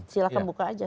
silahkan buka aja